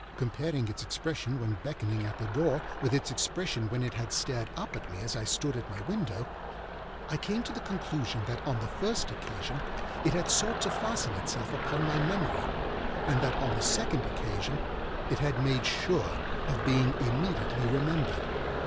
Comparing its expression when beckoning at the door with its expression when it had stared up at me as I stood at my window, I came to the conclusion that on the first occasion it had sought to fasten itself upon my memory, and that on the second occasion it had made sure of being immediately remembered.